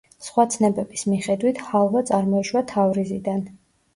სხვა ცნებების მიხედვით, ჰალვა წარმოიშვა თავრიზიდან.